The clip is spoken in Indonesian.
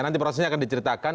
nanti prosesnya akan diceritakan